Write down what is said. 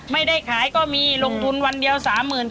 ไม่ได้ขายก็มีลงทุนวันเดียวสามหมื่น